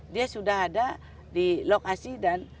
dia sudah ada di lokasi dan